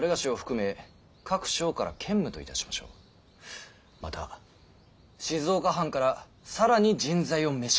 また静岡藩から更に人材を召し抱えたい。